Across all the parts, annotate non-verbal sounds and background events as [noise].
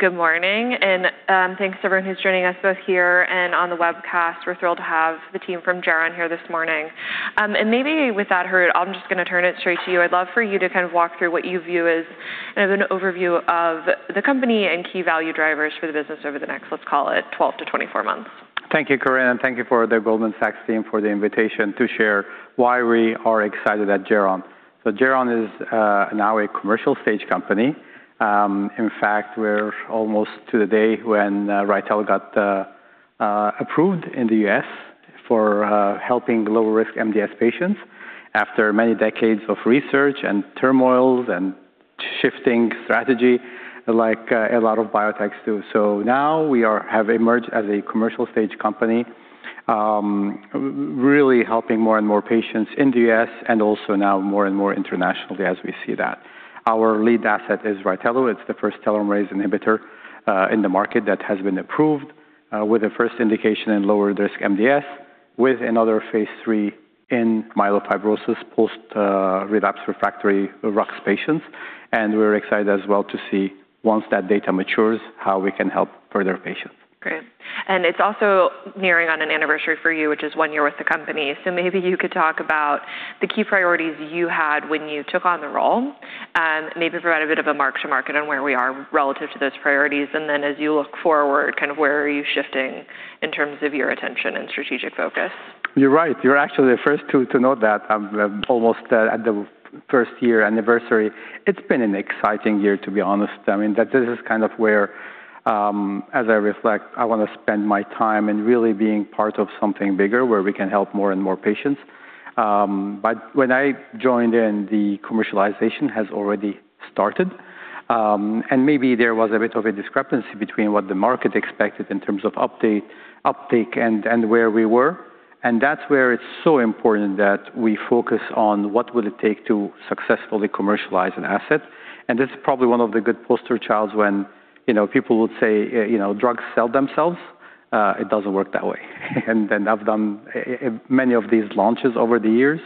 Good morning, thanks to everyone who's joining us both here and on the webcast. We're thrilled to have the team from Geron here this morning. Maybe with that, Harout, I'm just going to turn it straight to you. I'd love for you to walk through what you view as an overview of the company and key value drivers for the business over the next, let's call it 12 to 24 months. Thank you, Corinne, thank you for the Goldman Sachs team for the invitation to share why we are excited at Geron. Geron is now a commercial stage company. In fact, we're almost to the day when RYTELO got approved in the U.S. for helping lower-risk MDS patients after many decades of research and turmoils and shifting strategy like a lot of biotechs do. Now we have emerged as a commercial stage company, really helping more and more patients in the U.S. and also now more and more internationally as we see that. Our lead asset is RYTELO. It's the first telomerase inhibitor in the market that has been approved with a first indication in lower-risk MDS with another phase III in myelofibrosis post-relapse refractory RUX patients. We're excited as well to see, once that data matures, how we can help further patients. Great. It's also nearing on an anniversary for you, which is one year with the company. Maybe you could talk about the key priorities you had when you took on the role, maybe provide a bit of a mark to market on where we are relative to those priorities, and then as you look forward, where are you shifting in terms of your attention and strategic focus? You're right. You're actually the first to note that I'm almost at the first year anniversary. It's been an exciting year, to be honest. This is where, as I reflect, I want to spend my time and really being part of something bigger where we can help more and more patients. When I joined in, the commercialization has already started. Maybe there was a bit of a discrepancy between what the market expected in terms of uptake and where we were. That's where it's so important that we focus on what will it take to successfully commercialize an asset. This is probably one of the good poster childs when people would say drugs sell themselves. It doesn't work that way. I've done many of these launches over the years,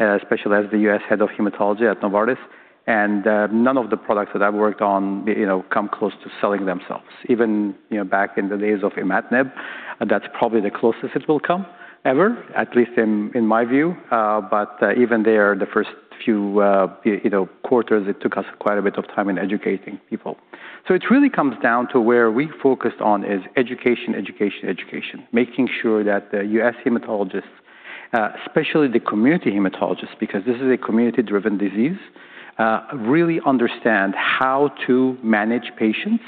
especially as the U.S. head of hematology at Novartis, none of the products that I've worked on come close to selling themselves. Even back in the days of imatinib, that's probably the closest it will come ever, at least in my view. Even there, the first few quarters, it took us quite a bit of time in educating people. It really comes down to where we focused on is education, education, making sure that the U.S. hematologists, especially the community hematologists, because this is a community-driven disease, really understand how to manage patients,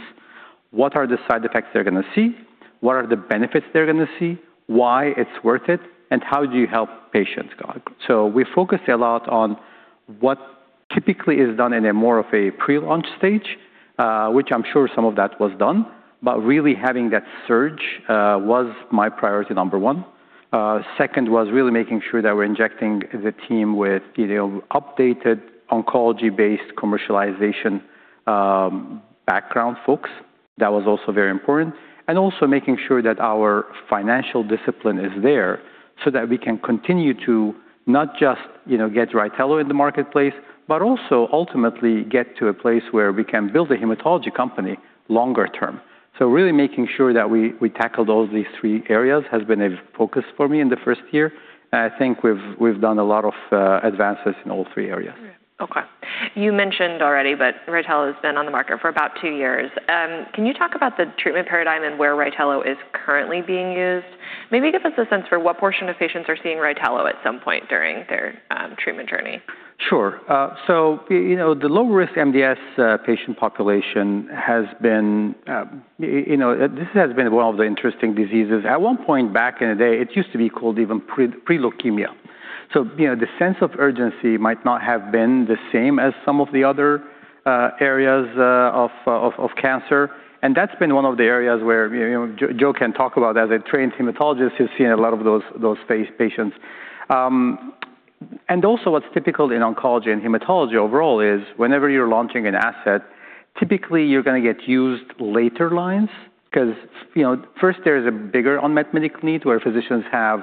what are the side effects they're going to see, what are the benefits they're going to see, why it's worth it, and how do you help patients go on. We focus a lot on what typically is done in a more of a pre-launch stage, which I'm sure some of that was done, but really having that surge was my priority number one. Second was really making sure that we're injecting the team with updated oncology-based commercialization background folks. That was also very important. Also making sure that our financial discipline is there so that we can continue to not just get RYTELO in the marketplace, but also ultimately get to a place where we can build a hematology company longer term. Really making sure that we tackle those, these three areas, has been a focus for me in the first year. I think we've done a lot of advances in all three areas. Okay. You mentioned already, but RYTELO has been on the market for about two years. Can you talk about the treatment paradigm and where RYTELO is currently being used? Maybe give us a sense for what portion of patients are seeing RYTELO at some point during their treatment journey. Sure. The lower-risk MDS patient population has been one of the interesting diseases. At one point back in the day, it used to be called even pre-leukemia. The sense of urgency might not have been the same as some of the other areas of cancer, and that's been one of the areas where Joe can talk about as a trained hematologist who's seen a lot of those patients. Also what's typical in oncology and hematology overall is whenever you're launching an asset, typically you're going to get used later lines because first there is a bigger unmet medical need where physicians have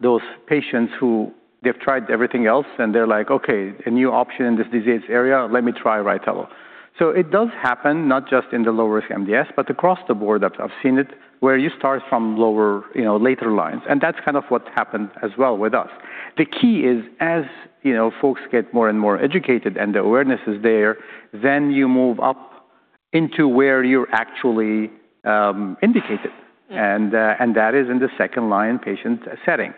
those patients who they've tried everything else, and they're like, "Okay, a new option in this disease area, let me try RYTELO." It does happen, not just in the lower-risk MDS, but across the board I've seen it where you start from lower later lines, that's what's happened as well with us. The key is as folks get more and more educated and the awareness is there, you move up into where you're actually indicated, that is in the second-line patient setting.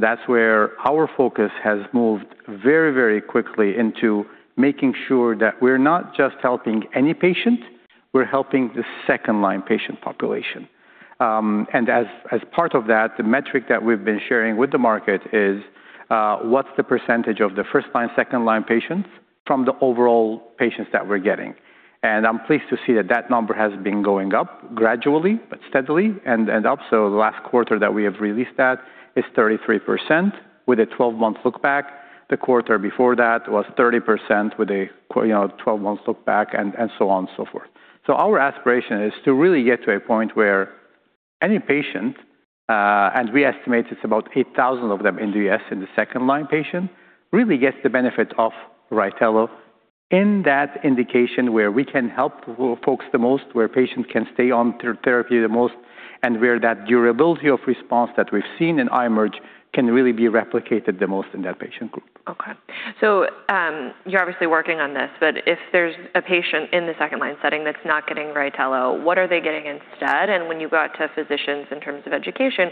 That's where our focus has moved very quickly into making sure that we're not just helping any patient, we're helping the second-line patient population. As part of that, the metric that we've been sharing with the market is what's the percentage of the first-line, second-line patients from the overall patients that we're getting. I'm pleased to see that that number has been going up gradually but steadily and up. The last quarter that we have released that is 33% with a 12-month look back. The quarter before that was 30% with a 12-month look back, so on and so forth. Our aspiration is to really get to a point where Any patient, we estimate it's about 8,000 of them in the U.S. in the second-line patient, really gets the benefit of RYTELO in that indication where we can help folks the most, where patients can stay on therapy the most, where that durability of response that we've seen in IMerge can really be replicated the most in that patient group. Okay. You're obviously working on this, if there's a patient in the second-line setting that's not getting RYTELO, what are they getting instead? When you go out to physicians in terms of education,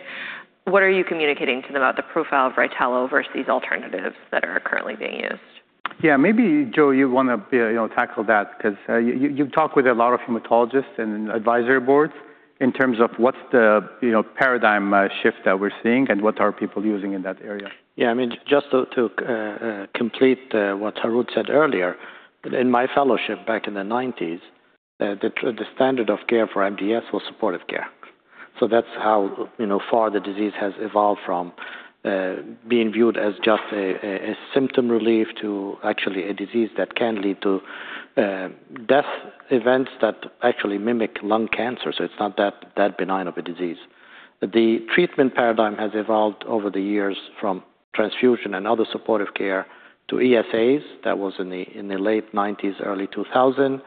what are you communicating to them about the profile of RYTELO versus these alternatives that are currently being used? Maybe, Joe, you want to tackle that because you've talked with a lot of hematologists and advisory boards in terms of what's the paradigm shift that we're seeing and what are people using in that area. Just to complete what Harout said earlier, in my fellowship back in the 1990s, the standard of care for MDS was supportive care. That's how far the disease has evolved from being viewed as just a symptom relief to actually a disease that can lead to death events that actually mimic lung cancer. It's not that benign of a disease. The treatment paradigm has evolved over the years from transfusion and other supportive care to ESAs. That was in the late 1990s, early 2000.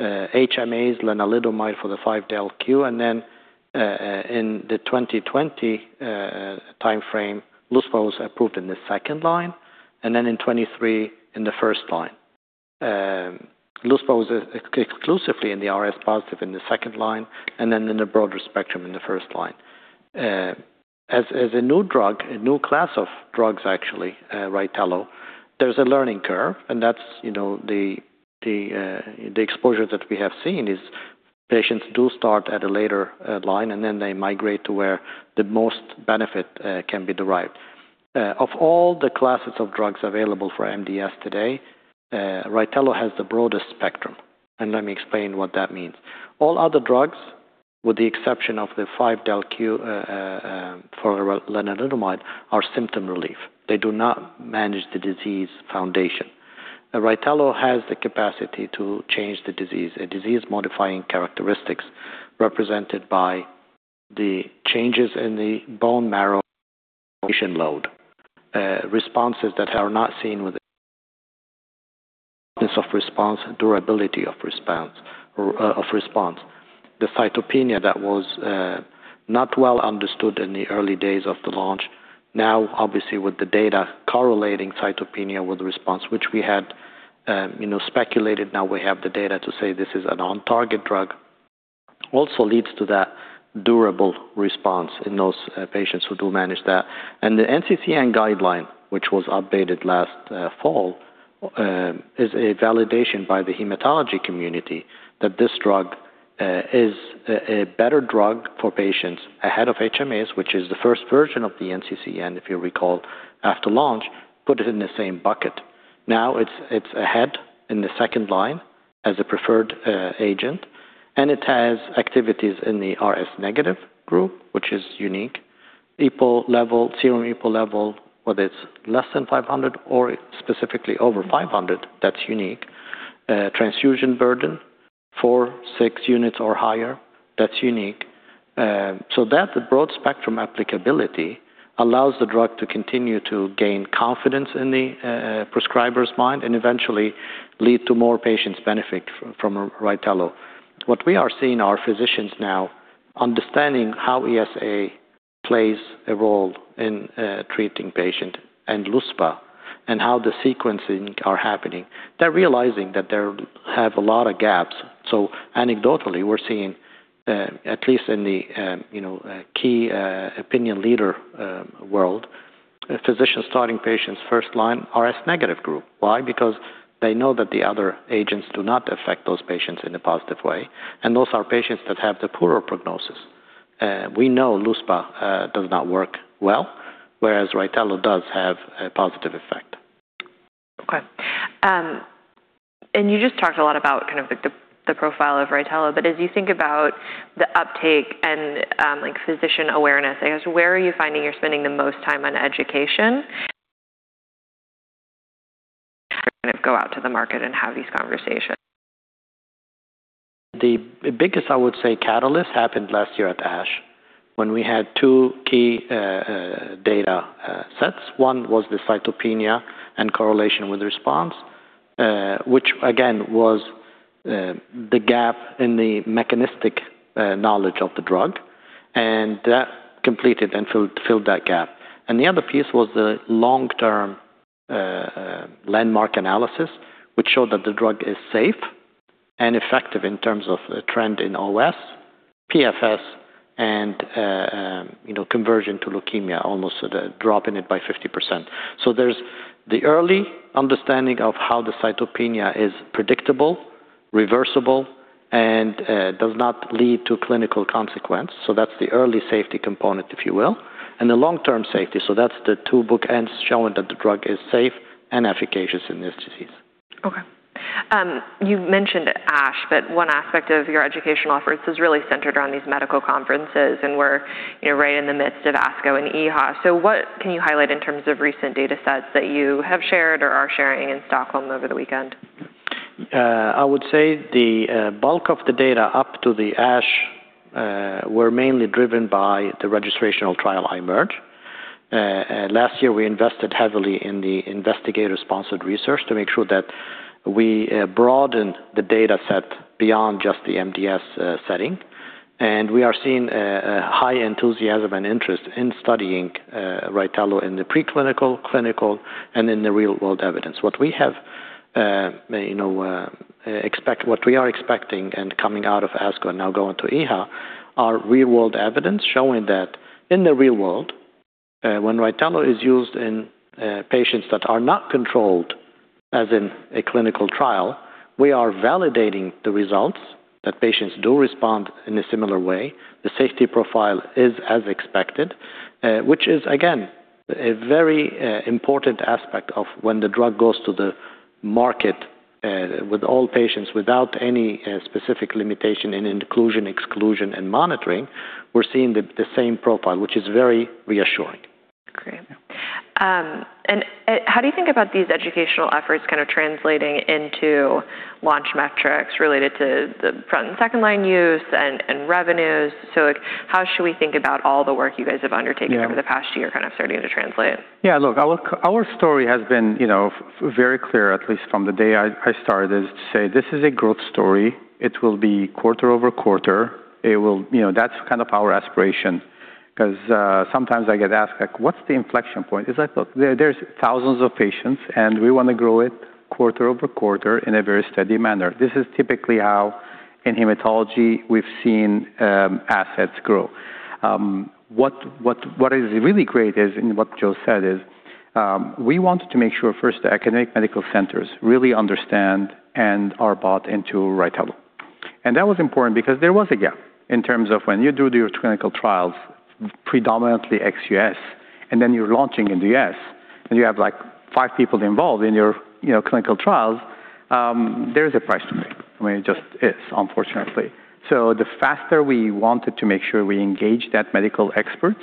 HMAs, lenalidomide for the del(5q), and then in the 2020 timeframe, luspa was approved in the second line, and then in 2023 in the first line. Luspa was exclusively in the RS-positive in the second line, and then in the broader spectrum in the first line. As a new drug, a new class of drugs, actually, RYTELO, there's a learning curve, and that's the exposure that we have seen is patients do start at a later line, and then they migrate to where the most benefit can be derived. Of all the classes of drugs available for MDS today, RYTELO has the broadest spectrum, and let me explain what that means. All other drugs, with the exception of the del(5q) for lenalidomide, are symptom relief. They do not manage the disease foundation. RYTELO has the capacity to change the disease, a disease-modifying characteristics represented by the changes in the bone marrow [audio distortion] load, responses that are not seen with [audio distortion] of response, durability of response. The cytopenia that was not well understood in the early days of the launch, now, obviously, with the data correlating cytopenia with the response, which we had speculated, now we have the data to say this is an on-target drug, also leads to that durable response in those patients who do manage that. The NCCN guideline, which was updated last fall, is a validation by the hematology community that this drug is a better drug for patients ahead of HMAs, which is the first version of the NCCN, if you recall, after launch, put it in the same bucket. It's ahead in the second line as a preferred agent, and it has activities in the RS-negative group, which is unique. Epo level, serum epo level, whether it's less than 500 or specifically over 500, that's unique. Transfusion burden, four, six units or higher, that's unique. That broad-spectrum applicability allows the drug to continue to gain confidence in the prescriber's mind and eventually lead to more patients benefit from RYTELO. What we are seeing are physicians now understanding how ESA plays a role in treating patient and luspa and how the sequencing are happening. They're realizing that they have a lot of gaps. Anecdotally, we're seeing, at least in the key opinion leader world, physicians starting patients first-line RS-negative group. Why? Because they know that the other agents do not affect those patients in a positive way, and those are patients that have the poorer prognosis. We know luspa does not work well, whereas RYTELO does have a positive effect. Okay. You just talked a lot about the profile of RYTELO, but as you think about the uptake and physician awareness, I guess, where are you finding you're spending the most time on education? Kind of go out to the market and have these conversations. The biggest, I would say, catalyst happened last year at ASH, when we had two key data sets. One was the cytopenia and correlation with response, which again was the gap in the mechanistic knowledge of the drug, and that completed and filled that gap. The other piece was the long-term landmark analysis, which showed that the drug is safe and effective in terms of trend in OS, PFS, and conversion to leukemia, almost dropping it by 50%. There's the early understanding of how the cytopenia is predictable, reversible, and does not lead to clinical consequence. That's the early safety component, if you will, and the long-term safety. That's the two bookends showing that the drug is safe and efficacious in this disease. Okay. You've mentioned ASH, one aspect of your educational efforts is really centered around these medical conferences, and we're right in the midst of ASCO and EHA. What can you highlight in terms of recent data sets that you have shared or are sharing in Stockholm over the weekend? I would say the bulk of the data up to the ASH were mainly driven by the registrational trial IMerge. Last year, we invested heavily in the investigator-sponsored research to make sure that we broadened the data set beyond just the MDS setting, and we are seeing a high enthusiasm and interest in studying RYTELO in the preclinical, clinical, and in the real-world evidence. What we are expecting, and coming out of ASCO, now going to EHA, are real-world evidence showing that in the real world, when RYTELO is used in patients that are not controlled, as in a clinical trial, we are validating the results that patients do respond in a similar way. The safety profile is as expected, which is, again, a very important aspect of when the drug goes to the market with all patients without any specific limitation in inclusion, exclusion, and monitoring. We're seeing the same profile, which is very reassuring. Great. Yeah. How do you think about these educational efforts translating into launch metrics related to the front and second-line use and revenues? How should we think about all the work you guys have undertaken- Yeah. ...over the past year starting to translate? Yeah, look, our story has been very clear, at least from the day I started, is to say this is a growth story. It will be quarter-over-quarter. That's our aspiration because sometimes I get asked, "What's the inflection point?" It's like, look, there's thousands of patients, and we want to grow it quarter-over-quarter in a very steady manner. This is typically how, in hematology, we've seen assets grow. What is really great is, what Joe said is, we wanted to make sure first the academic medical centers really understand and are bought into RYTELO. That was important because there was a gap in terms of when you do your clinical trials, predominantly ex-U.S., and then you're launching in the U.S., and you have five people involved in your clinical trials, there is a price to pay. I mean, it just is, unfortunately. The faster we wanted to make sure we engaged that medical experts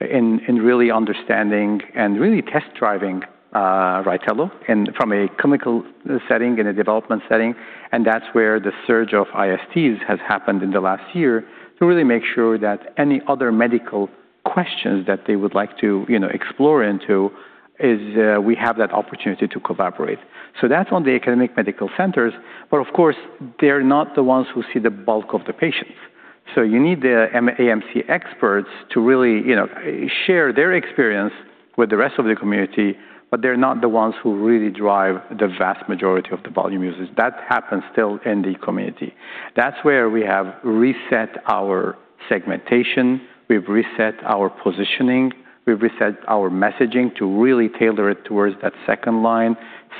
in really understanding and really test driving RYTELO and from a clinical setting, in a development setting, and that's where the surge of ISTs has happened in the last year to really make sure that any other medical questions that they would like to explore into is we have that opportunity to collaborate. That's on the academic medical centers, but of course, they're not the ones who see the bulk of the patients. You need the AMC experts to really share their experience with the rest of the community, but they're not the ones who really drive the vast majority of the volume users. That happens still in the community. That's where we have reset our segmentation, we've reset our positioning, we've reset our messaging to really tailor it towards that second-line,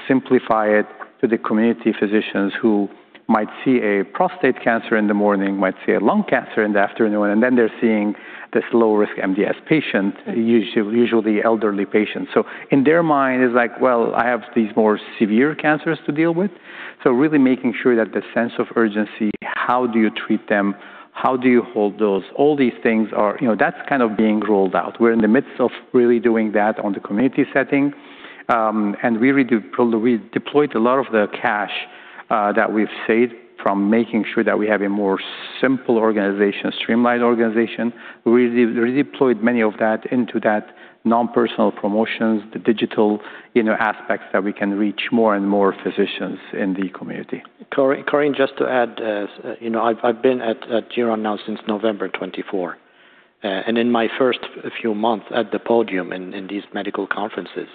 simplify it to the community physicians who might see a prostate cancer in the morning, might see a lung cancer in the afternoon, and then they're seeing this low-risk MDS patient, usually elderly patients. In their mind, it's like, well, I have these more severe cancers to deal with. Really making sure that the sense of urgency, how do you treat them? How do you hold those? All these things are being rolled out. We're in the midst of really doing that on the community setting. We deployed a lot of the cash that we've saved from making sure that we have a more simple organization, streamlined organization. We redeployed many of that into that non-personal promotions, the digital aspects that we can reach more and more physicians in the community. Corinne, just to add, I've been at Geron now since November 2024. In my first few months at the podium in these medical conferences,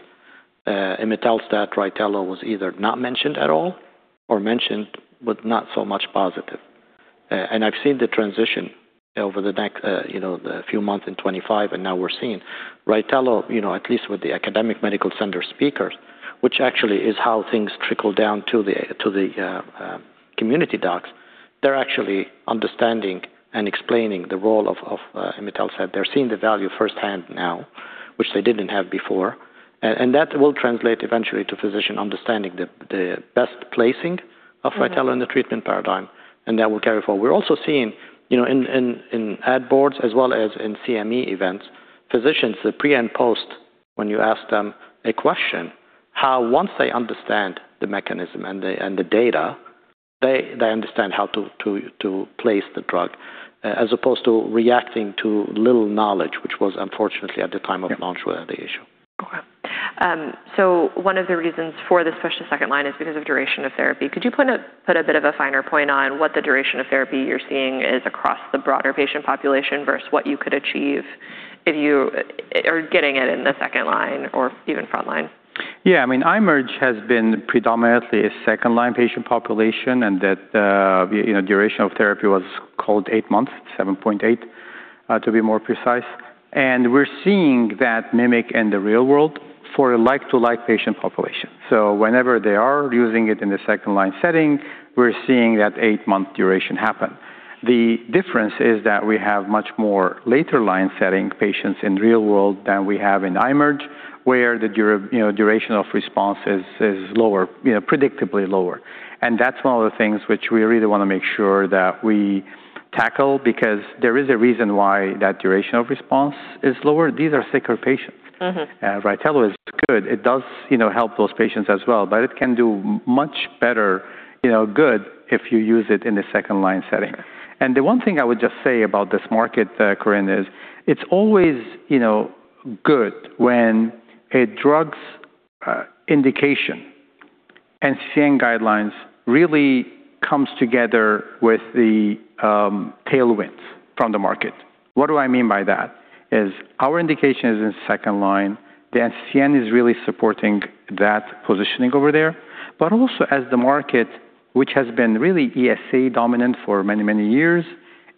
imetelstat RYTELO was either not mentioned at all or mentioned with not so much positive. I've seen the transition over the few months in 2025, and now we're seeing RYTELO, at least with the academic medical center speakers, which actually is how things trickle down to the community docs. They're actually understanding and explaining the role of imetelstat. They're seeing the value firsthand now, which they didn't have before. That will translate eventually to physician understanding the best placing of RYTELO in the treatment paradigm, and that will carry forward. We're also seeing in ad boards as well as in CME events, physicians, the pre and post, when you ask them a question, how once they understand the mechanism and the data, they understand how to place the drug, as opposed to reacting to little knowledge, which was unfortunately at the time of launch were the issue. Okay. One of the reasons for this, especially second-line, is because of duration of therapy. Could you put a bit of a finer point on what the duration of therapy you're seeing is across the broader patient population versus what you could achieve if you are getting it in the second line or even front line? IMerge has been predominantly a second-line patient population, that duration of therapy was called eight months, 7.8 to be more precise. We're seeing that mimic in the real world for like-to-like patient population. Whenever they are using it in the second-line setting, we're seeing that eight-month duration happen. The difference is that we have much more later line setting patients in real world than we have in IMerge, where the duration of response is lower, predictably lower. That's one of the things which we really want to make sure that we tackle because there is a reason why that duration of response is lower. These are sicker patients. RYTELO is good. It does help those patients as well, but it can do much better good if you use it in the second-line setting. The one thing I would just say about this market, Corinne, is it's always good when a drug's indication, NCCN guidelines really comes together with the tailwinds from the market. What do I mean by that? Our indication is in second-line. The NCCN is really supporting that positioning over there. Also as the market, which has been really ESA dominant for many, many years,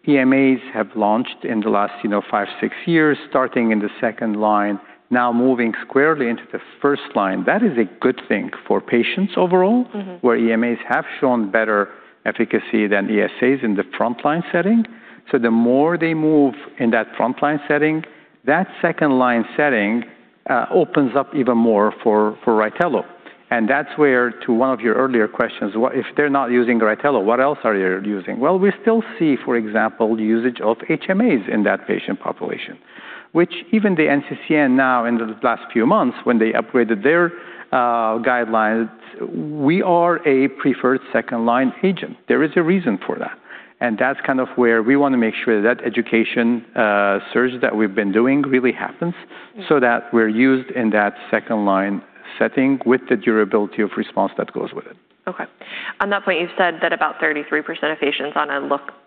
EMAs have launched in the last five, six years, starting in the second-line, now moving squarely into the first-line. That is a good thing for patients overall where EMAs have shown better efficacy than ESAs in the front-line setting. The more they move in that front-line setting, that second-line setting opens up even more for RYTELO. That's where, to one of your earlier questions, if they're not using RYTELO, what else are you using? Well, we still see, for example, usage of HMAs in that patient population, which even the NCCN now in the last few months when they upgraded their guidelines, we are a preferred second-line agent. There is a reason for that, and that's where we want to make sure that education surge that we've been doing really happens so that we're used in that second-line setting with the durability of response that goes with it. Okay. On that point, you've said that about 33% of patients on a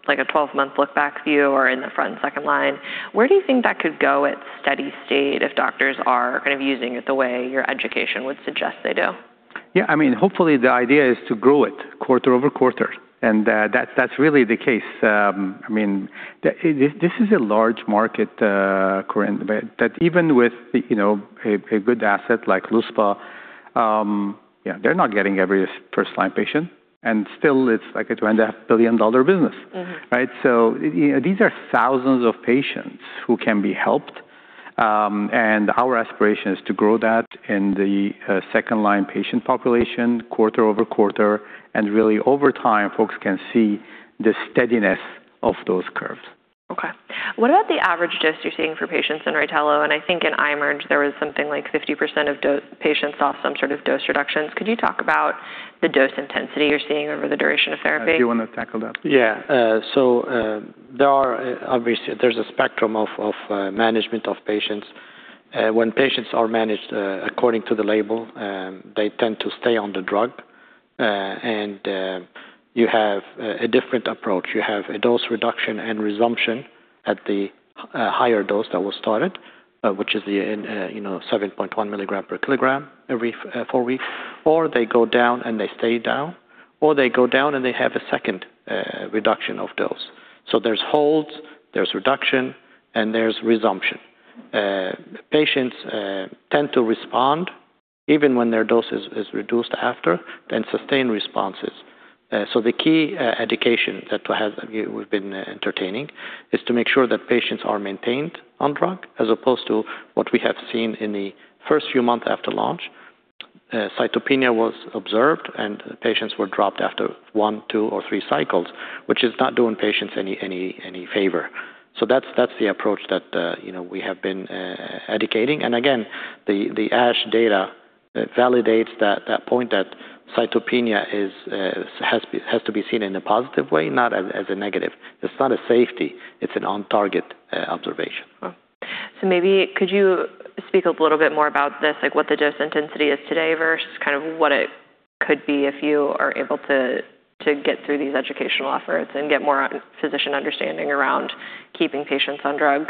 12-month look-back view are in the front- and second-line. Where do you think that could go at steady state if doctors are going to be using it the way your education would suggest they do? Yeah, hopefully the idea is to grow it quarter over quarter, that's really the case. This is a large market, Corinne, that even with a good asset like luspa, they're not getting every first-line patient, still it's like a $2.5 billion business. These are thousands of patients who can be helped, our aspiration is to grow that in the second-line patient population quarter over quarter, really over time, folks can see the steadiness of those curves. Okay. What about the average dose you're seeing for patients in RYTELO? I think in IMerge, there was something like 50% of dose patients saw some sort of dose reductions. Could you talk about the dose intensity you're seeing over the duration of therapy? Do you want to tackle that? Yeah. Obviously, there's a spectrum of management of patients. When patients are managed according to the label, they tend to stay on the drug, and you have a different approach. You have a dose reduction and resumption at the higher dose that was started, which is the 7.1 mg/kg every four weeks, or they go down and they stay down, or they go down and they have a second reduction of dose. There's holds, there's reduction, and there's resumption. Patients tend to respond even when their dose is reduced after, then sustain responses. The key education that we've been entertaining is to make sure that patients are maintained on drug as opposed to what we have seen in the first few months after launch. Cytopenia was observed, and patients were dropped after one, two, or three cycles, which is not doing patients any favor. That's the approach that we have been educating. Again, the ASH data validates that point that cytopenia has to be seen in a positive way, not as a negative. It's not a safety, it's an on-target observation. Maybe could you speak a little bit more about this, like what the dose intensity is today versus what it could be if you are able to get through these educational efforts and get more physician understanding around keeping patients on drug?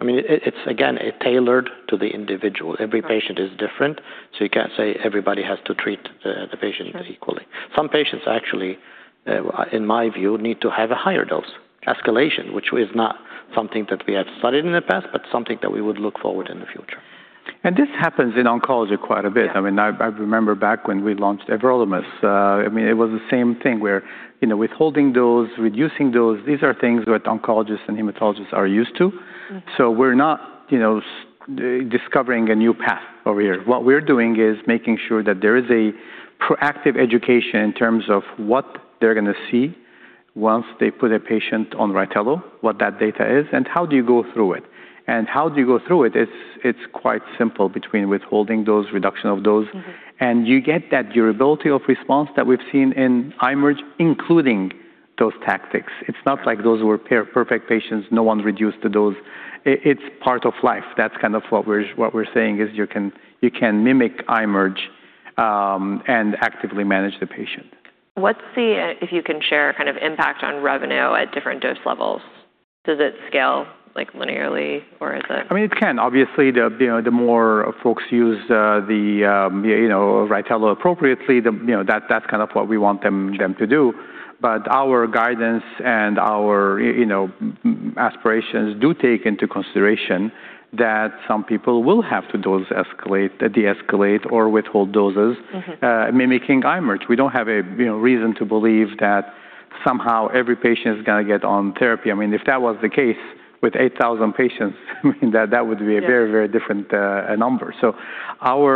It's, again, tailored to the individual. Right. Every patient is different, you can't say everybody has to treat the patient equally. Sure. Some patients actually, in my view, need to have a higher dose escalation, which is not something that we have studied in the past, but something that we would look forward in the future. This happens in oncology quite a bit. Yeah. I remember back when we launched everolimus, it was the same thing where withholding dose, reducing dose, these are things that oncologists and hematologists are used to. We're not discovering a new path over here. What we're doing is making sure that there is a proactive education in terms of what they're going to see once they put a patient on RYTELO, what that data is, and how do you go through it. How do you go through it's quite simple between withholding dose, reduction of dose. You get that durability of response that we've seen in IMerge, including dose tactics. It's not like those were perfect patients, no one reduced the dose. It's part of life. That's what we're saying is you can mimic IMerge and actively manage the patient. Let's see if you can share impact on revenue at different dose levels. Does it scale linearly, or is it- It can. Obviously, the more folks use RYTELO appropriately, that's what we want them to do. Our guidance and our aspirations do take into consideration that some people will have to dose escalate, deescalate, or withhold doses mimicking IMerge. We don't have a reason to believe that. Somehow every patient is going to get on therapy. If that was the case with 8,000 patients, that would be a very- Yes. ...different number. Our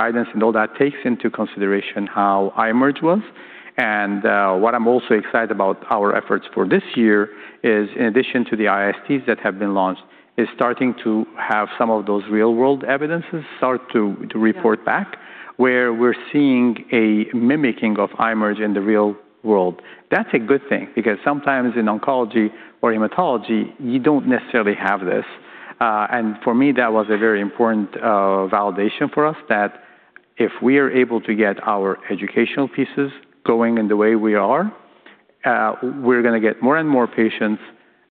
guidance and all that takes into consideration how IMerge was. What I'm also excited about our efforts for this year is in addition to the ISTs that have been launched, is starting to have some of those real-world evidence start to report back- Yeah. ...where we're seeing a mimicking of IMerge in the real world. That's a good thing, because sometimes in oncology or hematology, you don't necessarily have this. For me, that was a very important validation for us, that if we are able to get our educational pieces going in the way we are, we're going to get more and more patients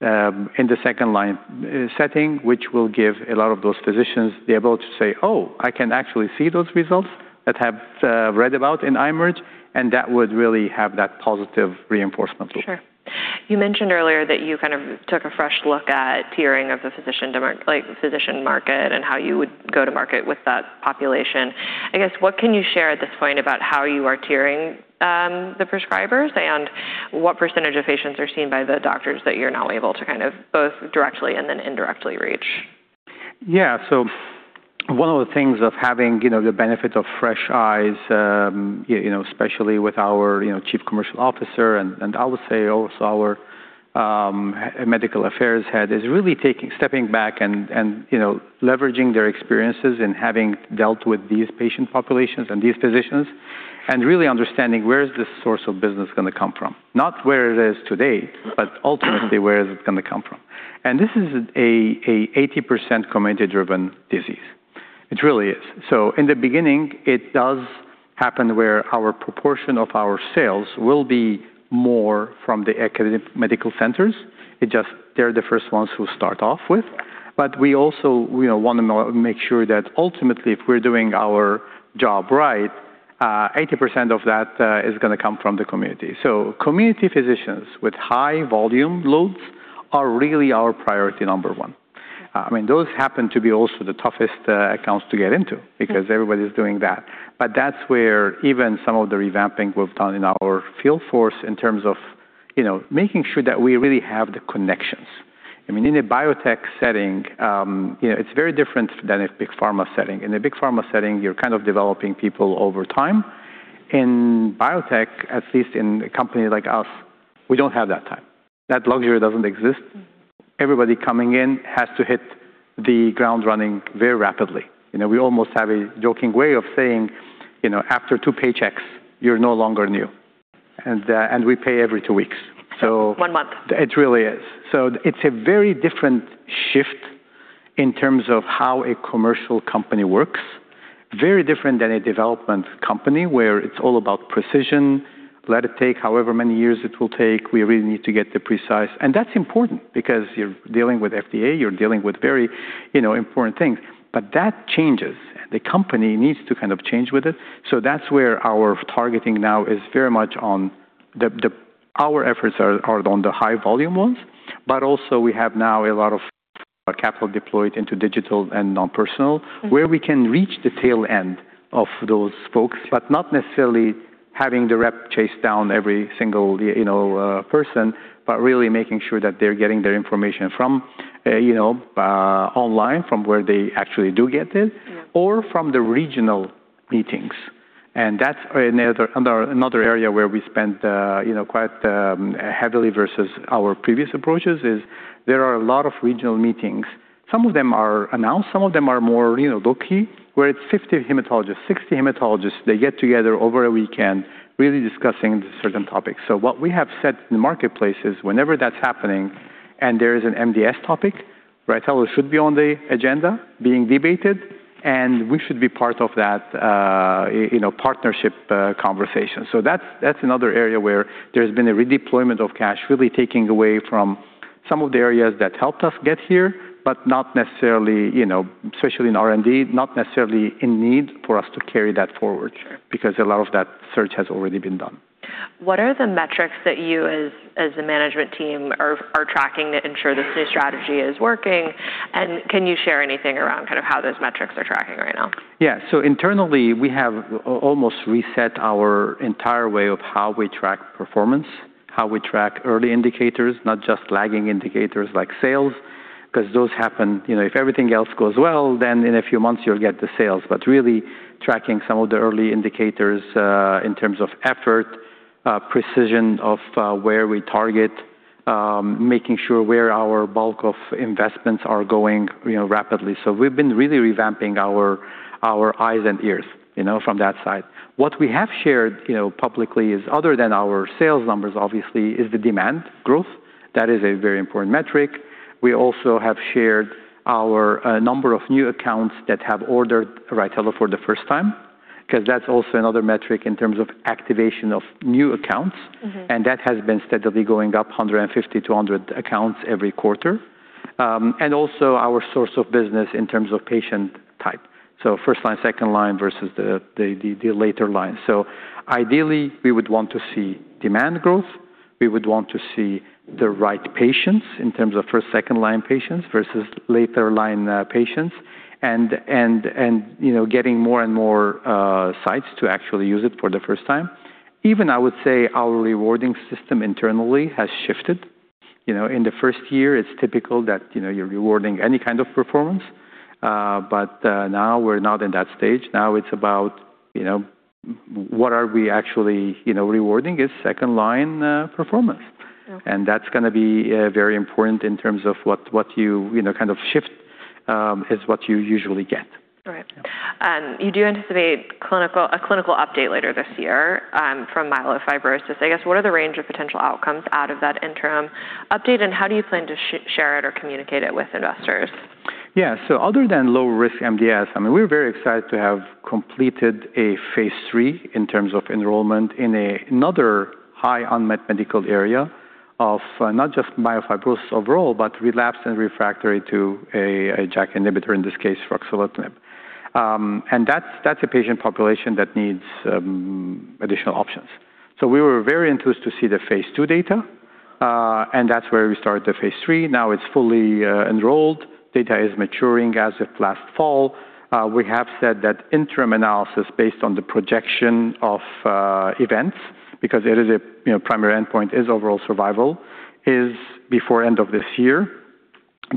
in the second-line setting, which will give a lot of those physicians the ability to say, "Oh, I can actually see those results that I have read about in IMerge." That would really have that positive reinforcement loop. Sure. You mentioned earlier that you took a fresh look at tiering of the physician market, and how you would go to market with that population. I guess, what can you share at this point about how you are tiering the prescribers, and what percentage of patients are seen by the doctors that you're now able to both directly and then indirectly reach? Yeah. One of the things of having the benefit of fresh eyes, especially with our chief commercial officer, and I would say also our medical affairs head, is really stepping back and leveraging their experiences in having dealt with these patient populations and these physicians, and really understanding where is this source of business going to come from. Not where it is today, but ultimately, where is it going to come from. This is a 80% community-driven disease. It really is. In the beginning, it does happen where our proportion of our sales will be more from the academic medical centers. It's just they're the first ones who start off with. We also want to make sure that ultimately, if we're doing our job right, 80% of that is going to come from the community. Community physicians with high volume loads are really our priority number one. Those happen to be also the toughest accounts to get into because everybody's doing that. That's where even some of the revamping we've done in our field force in terms of making sure that we really have the connections. In a biotech setting, it's very different than a big pharma setting. In a big pharma setting, you're developing people over time. In biotech, at least in a company like us, we don't have that time. That luxury doesn't exist. Everybody coming in has to hit the ground running very rapidly. We almost have a joking way of saying, after two paychecks, you're no longer new. We pay every two weeks. One month It really is. It's a very different shift in terms of how a commercial company works. Very different than a development company, where it's all about precision. Let it take however many years it will take. We really need to get the precise. That's important because you're dealing with FDA, you're dealing with very important things. That changes. The company needs to change with it. That's where our targeting now is very much. Our efforts are on the high volume ones. Also, we have now a lot of capital deployed into digital and non-personal- Okay. ...where we can reach the tail end of those folks, but not necessarily having the rep chase down every single person, but really making sure that they're getting their information from online, from where they actually do get this- Yeah. ...or from the regional meetings. That's another area where we spent quite heavily versus our previous approaches, is there are a lot of regional meetings. Some of them are announced, some of them are more low-key, where it's 50 hematologists, 60 hematologists, they get together over a weekend, really discussing certain topics. What we have said in the marketplace is whenever that's happening and there is an MDS topic, RYTELO should be on the agenda being debated, and we should be part of that partnership conversation. That's another area where there's been a redeployment of cash, really taking away from some of the areas that helped us get here, but especially in R&D, not necessarily in need for us to carry that forward Sure A lot of that search has already been done. What are the metrics that you as a management team are tracking that ensure this new strategy is working? Can you share anything around how those metrics are tracking right now? Yeah. Internally, we have almost reset our entire way of how we track performance, how we track early indicators, not just lagging indicators like sales, because those happen. If everything else goes well, then in a few months you'll get the sales. Really tracking some of the early indicators in terms of effort, precision of where we target, making sure where our bulk of investments are going rapidly. We've been really revamping our eyes and ears from that side. What we have shared publicly is other than our sales numbers, obviously, is the demand growth. That is a very important metric. We also have shared our number of new accounts that have ordered RYTELO for the first time, because that's also another metric in terms of activation of new accounts. That has been steadily going up 150 to 100 accounts every quarter. Also our source of business in terms of patient type. First line, second line versus the later lines. Ideally, we would want to see demand growth. We would want to see the right patients in terms of first line, second line patients versus later line patients, and getting more and more sites to actually use it for the first time. Even, I would say, our rewarding system internally has shifted. In the first year, it's typical that you're rewarding any kind of performance. Now we're not in that stage. Now it's about what are we actually rewarding is second line performance. Yeah. That's going to be very important in terms of what shift is what you usually get. Right. You do anticipate a clinical update later this year from myelofibrosis. I guess, what are the range of potential outcomes out of that interim update, and how do you plan to share it or communicate it with investors? Other than low-risk MDS, we're very excited to have completed a phase III in terms of enrollment in another high unmet medical area of not just myelofibrosis overall, but relapsed and refractory to a JAK inhibitor, in this case, ruxolitinib. That's a patient population that needs additional options. We were very enthused to see the phase II data, and that's where we started the phase III. Now it's fully enrolled. Data is maturing as of last fall. We have said that interim analysis based on the projection of events, because primary endpoint is overall survival, is before end of this year.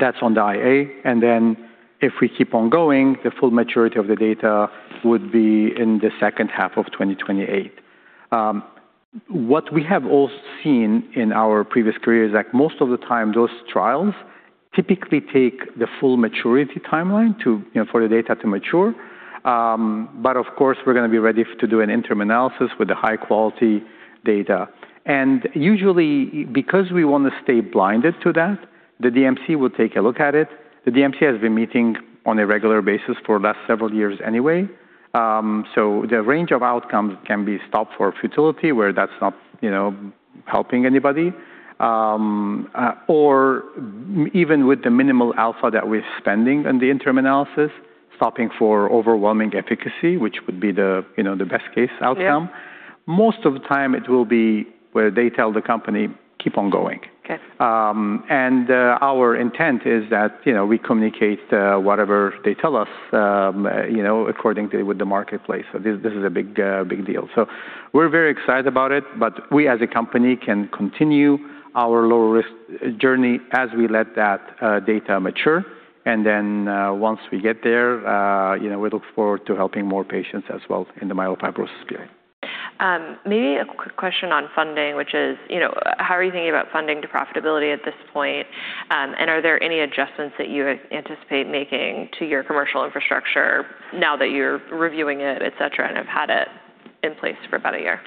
That's on the IA. If we keep on going, the full maturity of the data would be in the second half of 2028. What we have all seen in our previous careers, most of the time, those trials typically take the full maturity timeline for the data to mature. Of course, we're going to be ready to do an interim analysis with the high-quality data. Usually, because we want to stay blinded to that, the DMC will take a look at it. The DMC has been meeting on a regular basis for the last several years anyway. The range of outcomes can be stopped for futility, where that's not helping anybody, or even with the minimal alpha that we're spending on the interim analysis, stopping for overwhelming efficacy, which would be the best case outcome. Yeah. Most of the time it will be where they tell the company, "Keep on going. Okay. Our intent is that we communicate whatever they tell us according with the marketplace. This is a big deal. We're very excited about it, but we as a company can continue our low-risk journey as we let that data mature. Once we get there, we look forward to helping more patients as well in the myelofibrosis space. Maybe a quick question on funding, which is, how are you thinking about funding to profitability at this point? Are there any adjustments that you anticipate making to your commercial infrastructure now that you're reviewing it, et cetera, and have had it in place for about a year?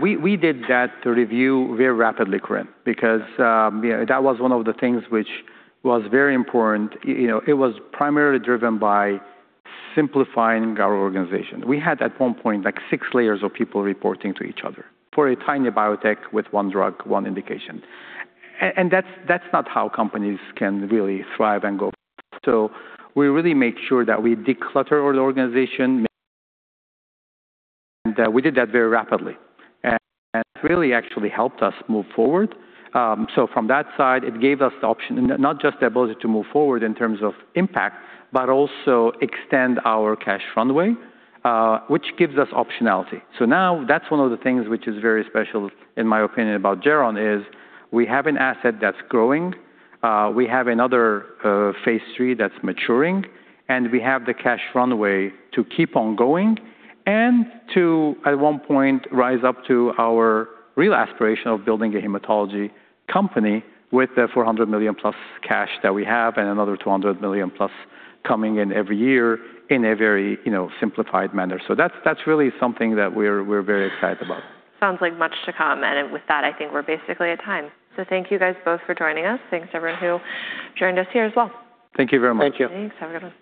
We did that review very rapidly, Corinne, because that was one of the things which was very important. It was primarily driven by simplifying our organization. We had, at one point, six layers of people reporting to each other for a tiny biotech with one drug, one indication. That's not how companies can really thrive and go. We really make sure that we declutter our organization. We did that very rapidly, and it really actually helped us move forward. From that side, it gave us the option, not just the ability to move forward in terms of impact, but also extend our cash runway, which gives us optionality. Now that's one of the things which is very special, in my opinion, about Geron, is we have an asset that's growing, we have another phase III that's maturing, and we have the cash runway to keep on going and to, at one point, rise up to our real aspiration of building a hematology company with the $400 million-plus cash that we have and another $200 million plus coming in every year in a very simplified manner. That's really something that we're very excited about. Sounds like much to come. With that, I think we're basically at time. Thank you guys both for joining us. Thanks, everyone who joined us here as well. Thank you very much. Thank you. Thanks, have a good one